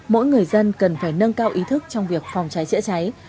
mỗi người dân cần phải nâng cao ý thức trong việc phòng cháy chữa cháy